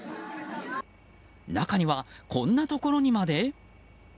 中には、こんなところにまで？